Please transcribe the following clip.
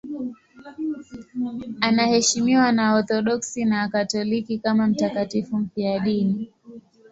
Anaheshimiwa na Waorthodoksi na Wakatoliki kama mtakatifu mfiadini.